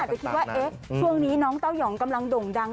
คนก็อาจจะคิดว่าเอ๊ะช่วงนี้น้องเต้าหย่องกำลังโด่งดัง